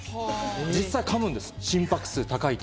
実際、かむんです、心拍数高いと。